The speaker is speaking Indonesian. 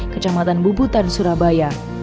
kecamatan bubutan surabaya